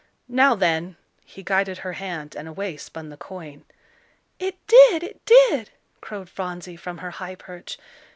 "Now, then" he guided her hand, and away spun the coin. "It did, it did," crowed Phronsie, from her high perch.